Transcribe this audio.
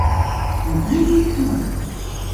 Могай мотор!